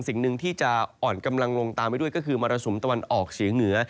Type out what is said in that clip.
สิ่งหนึ่งที่จะอ่อนกำลังลงตามไปด้วยก็คือมรสุมตะวันออกเฉียงเหนือ